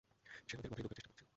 সে ওদের মাথায় ঢোকার চেষ্টা করছে।